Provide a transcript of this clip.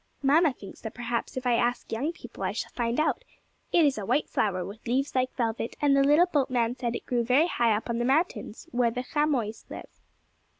Mamma thinks that perhaps if I ask Young People I shall find out. It is a white flower, with leaves like velvet, and the little boatman said it grew very high up on the mountains, where the chamois live.